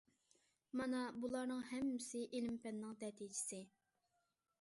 مانا بۇلارنىڭ ھەممىسى ئىلىم- پەننىڭ نەتىجىسى.